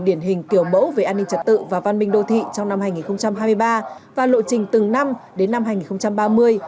điển hình kiểu mẫu về an ninh trật tự và văn minh đô thị trong năm hai nghìn hai mươi ba và lộ trình từng năm đến năm hai nghìn ba mươi